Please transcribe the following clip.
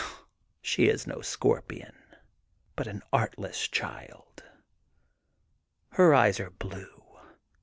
"She is no scorpion, but an artless child. Her eyes are blue.